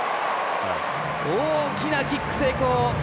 大きなキック成功。